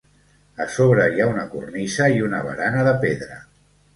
A sobre hi ha una cornisa i una barana de pedra.